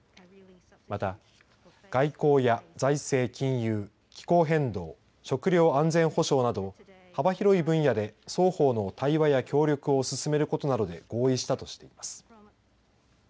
また、外交や財政、金融気候変動、食料安全保障など幅広い分野で双方の対話や協力を進めることなどで合意しています。